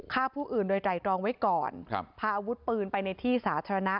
ฆ่าผู้อื่นโดยไตรรองไว้ก่อนครับพาอาวุธปืนไปในที่สาธารณะ